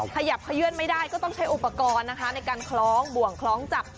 ขยับขยื่นไม่ได้ก็ต้องใช้อุปกรณ์นะคะในการคล้องบ่วงคล้องจับ